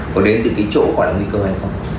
có đến từ cái chỗ có nguy cơ hay không